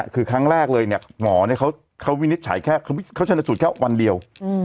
คือครั้งแรกเลยเนี่ยหมอเนี่ยเขาชนสูตรแค่วันเดียว